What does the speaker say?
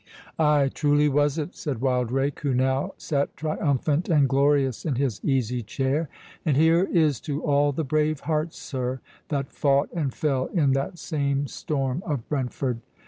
"Ay, truly was it," said Wildrake, who now sat triumphant and glorious in his easy chair; "and here is to all the brave hearts, sir, that fought and fell in that same storm of Brentford.